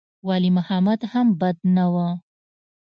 ولي محمد هم بد نه و.